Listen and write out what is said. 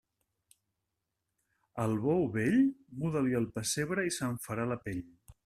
Al bou vell, muda-li el pessebre i se'n farà la pell.